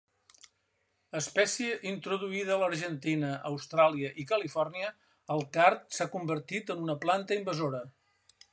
Espècie introduïda a l'Argentina, Austràlia i Califòrnia, el card s'ha convertit en una planta invasora.